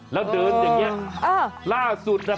แล้วเดินอย่างนี้ล่าสุด